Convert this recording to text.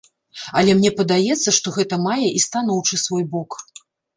Але мне падаецца, што гэта мае і станоўчы свой бок.